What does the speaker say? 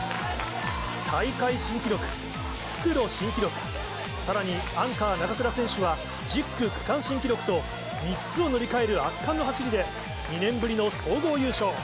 大会新記録、復路新記録、さらにアンカー、中倉選手は１０区区間新記録と、３つを塗り替える圧巻の走りで、２年ぶりの総合優勝。